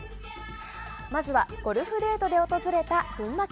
まずはゴルフデートで訪れた群馬県。